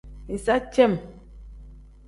Iza cem.